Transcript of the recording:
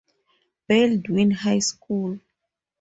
Baldwin High School.